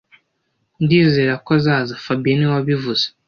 Ndizera ko azaza fabien niwe wabivuze